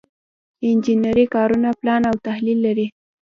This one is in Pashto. انجنري کارونه پلان او تحلیل لري.